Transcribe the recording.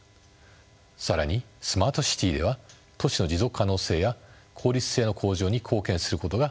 更にスマートシティでは都市の持続可能性や効率性の向上に貢献することが期待されています。